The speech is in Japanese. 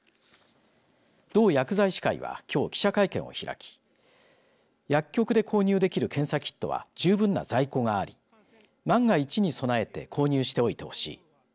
道薬剤師会はきょう記者会見を開き薬局で購入できる検査キットは十分な在庫があり万が一に備えて購入しておいてほしい。